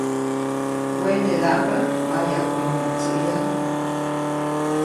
Wenedaʼmbä mayaʼkuyomoʼuŋ tsäʼyaju.